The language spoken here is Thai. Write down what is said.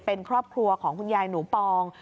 เป็นครอบครัวของคุณยายหนูปอง